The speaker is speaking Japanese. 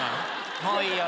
もういいよ。